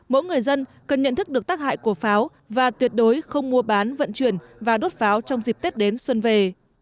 mỗi người dân cần nhận thức được tác hại của pháo và tuyệt đối không mua bán vận chuyển và đốt pháo trong dịp tết đến xuân về